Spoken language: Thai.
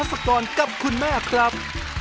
รุ่นที่สุดตอนกับคุณแม่ครับ